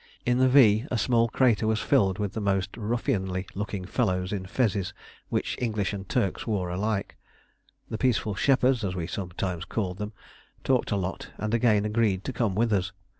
In the V a small crater was filled with the most ruffianly looking fellows in fezes, which English and Turks wore alike. The peaceful shepherds, as we sometimes called them, talked a lot and again agreed to come with us.